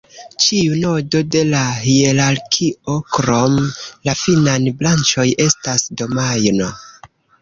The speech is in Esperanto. Ĉiu nodo de la hierarkio, krom la finaj branĉoj, estas domajno.